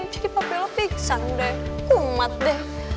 ya udah kita ke rumah